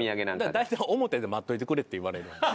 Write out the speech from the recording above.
大体「表で待っといてくれ」って言われる。